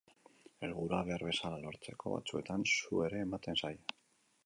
Helburua behar bezala lortzeko, batzuetan su ere ematen zaie.